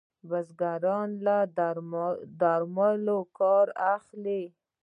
بزګران له درملو کار اخلي.